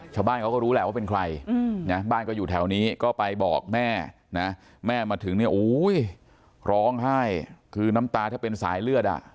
ชาวบ้านเขาก็รู้แหละว่าเป็นใครนะบ้านก็อยู่แถวนี้ก็ไปบอกแม่นะแม่มาถึงเนี่ยร้องไห้คือน้ำตาถ้าเป็นสายเลือดอ่ะ